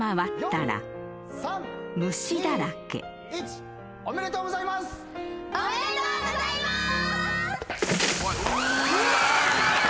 ４・３・２・１。おめでとうございます。